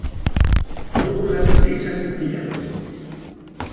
Núculas lisas y brillantes.